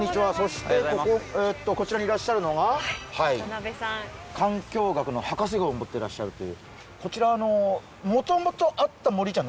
こちらにいらっしゃるのが環境学の博士号を持ってらっしゃるという。